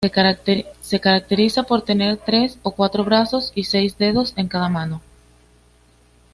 Se caracteriza por tener tres o cuatro brazos y seis dedos en cada mano.